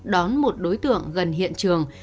đón một đối tượng gần hiện trường